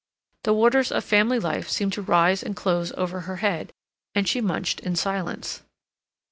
The waters of family life seemed to rise and close over her head, and she munched in silence.